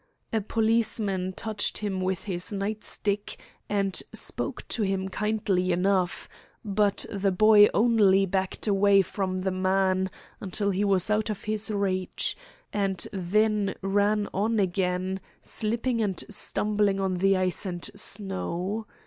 A policeman touched him with his nightstick, and spoke to him kindly enough, but the boy only backed away from the man until he was out of his reach, and then ran on again, slipping and stumbling on the ice and snow.